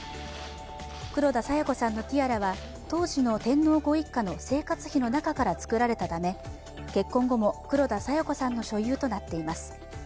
黒田清子さんのティアラは当時の天皇ご一家の生活費の中から作られたため、結婚後も黒田清子さんの所有となっています。